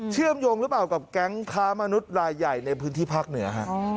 เชื่อมโยงหรือเปล่ากับแก๊งค้ามนุษย์รายใหญ่ในพื้นที่ภาคเหนือ